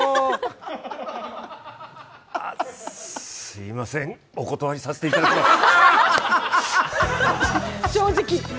すいません、お断りさせていただきます。